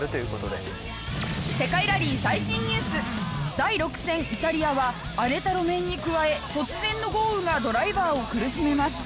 第６戦イタリアは荒れた路面に加え突然の豪雨がドライバーを苦しめます